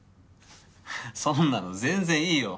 ハハッそんなの全然いいよ。